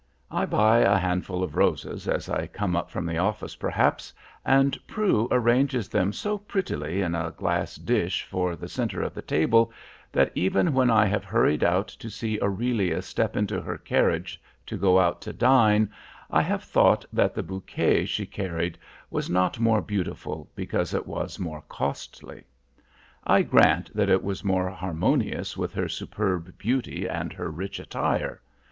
I buy a handful of roses as I come up from the office, perhaps, and Prue arranges them so prettily in a glass dish for the centre of the table that even when I have hurried out to see Aurelia step into her carriage to go out to dine, I have thought that the bouquet she carried was not more beautiful because it was more costly. I grant that it was more harmonious with her superb beauty and her rich attire.